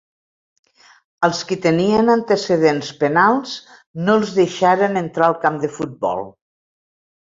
Als qui tenien antecedents penals no els deixaren entrar al camp de futbol.